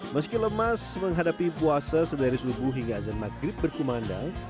meski lemas menghadapi puasa sedari subuh hingga azan maghrib berkumandang